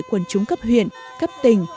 quần chúng cấp huyện cấp tỉnh